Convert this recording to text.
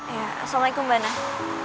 iya assalamualaikum mba nah